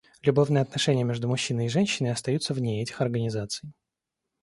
Любовные отношения между мужчиной и женщиной остаются вне этих организаций.